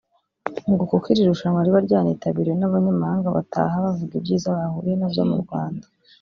ngo kuko iri rushanwa riba ryanitabiriwe n’abanyamahanga bataha bavuga ibyiza bahuriye na byo mu Rwanda